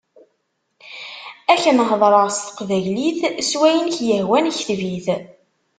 Ad k-n-hedreɣ s teqbaylit, s wayen i k-yehwan kteb-it.